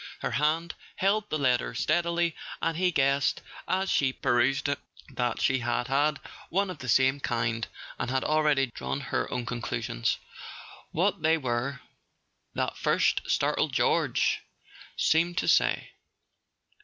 Her hand held the letter steadily, and he guessed, as she perused it, that she had had one of the same kind, and had already drawn her own conclusions. What they were, that first startled "George!" seemed to say.